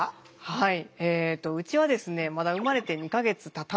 はい。